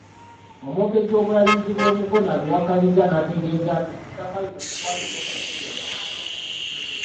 Omwogezi w'Obulabirizi bw'e Mukono abiwakanyizza n'ategeeza nti ku ettaka lino tekwaliko muntu yenna.